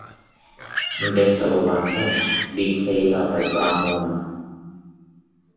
Mbese abo bantu b’i Keyila bazamumpa?